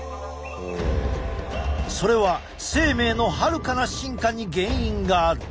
それは生命のはるかな進化に原因がある。